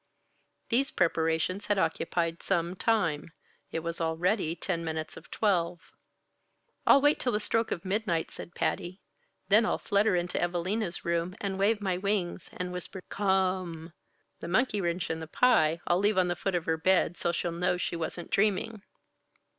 These preparations had occupied some time. It was already ten minutes of twelve. "I'll wait till the stroke of midnight," said Patty. "Then I'll flutter into Evalina's room, and wave my wings, and whisper, 'Come!' The monkey wrench and the pie, I'll leave on the foot of her bed, so she'll know she wasn't dreaming."